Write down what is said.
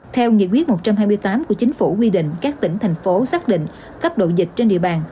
theo nghị quyết một trăm hai mươi tám của chính phủ quy định các tỉnh thành phố xác định cấp độ dịch trên địa bàn